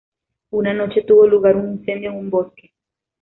Una noche tuvo lugar un incendio en un bosque.